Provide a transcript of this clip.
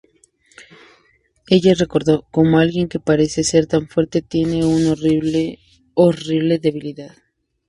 Ella recordó, "¿Cómo alguien que parece ser tan fuerte tiene una horrible, horrible debilidad?